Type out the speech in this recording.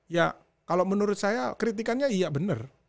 ya kalau menurut saya kritikannya iya benar